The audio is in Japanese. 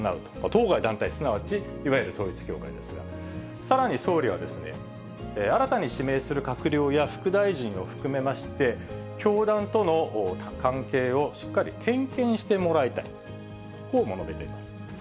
当該団体、すなわちいわゆる統一教会ですが、さらに総理は、新たに指名する閣僚や副大臣を含めまして、教団との関係をしっかり点検してもらいたい、こうも述べています。